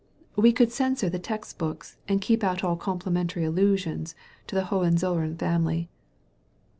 We could censor the text books and keep out all complimentary allusions to the Hohen zoUern family.'